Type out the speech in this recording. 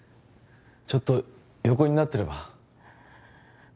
ちょっと横になってれば？